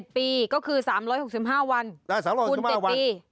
ปีก็คือ๓๖๕วันคูณ๗ปี